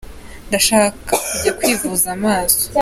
Ndashaka kujya kwivuza amaso.